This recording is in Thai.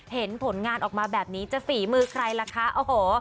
เห็นผลงานออกมาแบบนี้จะฝีมือใครล่ะคะโอ้โห